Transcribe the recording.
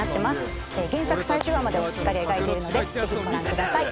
原作最終話までをしっかり描いているのでぜひご覧ください。